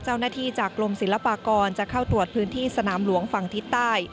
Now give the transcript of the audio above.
เจ้าหน้าที่จากกรมศิลปากรจะเข้าตรวจพื้นที่สนามหลวงฝั่งทิศใต้